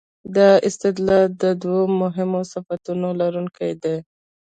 دا استدلال د دوو مهمو صفتونو لرونکی دی.